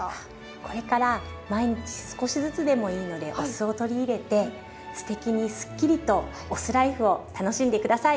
これから毎日少しずつでもいいのでお酢を取り入れて“酢テキ”にスッキリとお酢ライフを楽しんで下さい。